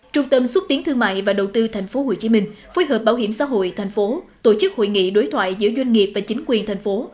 trung tâm xuất tiến thương mại và đầu tư thành phố hồ chí minh phối hợp bảo hiểm xã hội thành phố tổ chức hội nghị đối thoại giữa doanh nghiệp và chính quyền thành phố